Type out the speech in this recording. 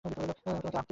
আমি তোমাকে আঁকতে চাই।